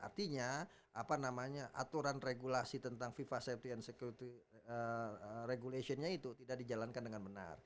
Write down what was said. artinya apa namanya aturan regulasi tentang fifa safety and security regulationnya itu tidak dijalankan dengan benar